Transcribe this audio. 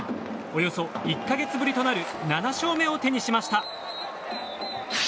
およそ１か月ぶりとなる７勝目を手にしました。